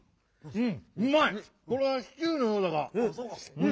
うん！